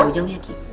jangan jauh jauh ya ki